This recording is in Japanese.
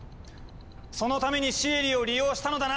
そのためにシエリを利用したのだな！